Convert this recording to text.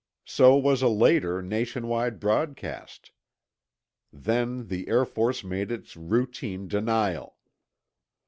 So was a later nation wide broadcast. Then the Air Force made its routine denial.